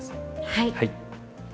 はい。